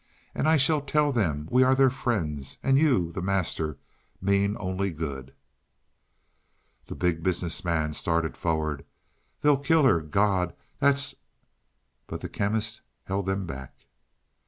And I shall tell them we are their friends and you, the Master, mean only good " The Big Business Man started forward. "They'll kill her. God, that's " But the Chemist held them back.